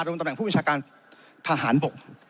ลงตำแหน่งผู้วิชาการทหารบก